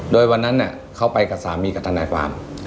โดยวันนั้นเขาไปกับสามีกับทนายความ